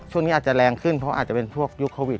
ช่วงนี้อาจจะแรงขึ้นเพราะอาจจะเป็นพวกยุคโควิด